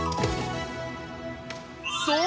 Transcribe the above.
そう！